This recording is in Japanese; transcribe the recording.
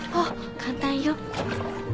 簡単よ。